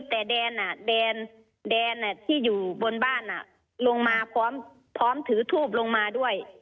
แต่แดนที่อยู่บนบ้านลงมาพร้อมถือทูบลงมาด้วย